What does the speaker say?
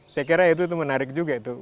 saya kira itu menarik juga itu